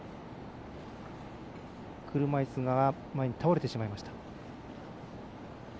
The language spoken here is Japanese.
車いすが前に倒れてしまいました。